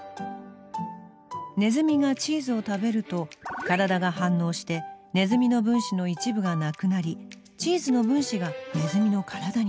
ネズミがチーズを食べると体が反応してネズミの分子の一部がなくなりチーズの分子がネズミの体になる。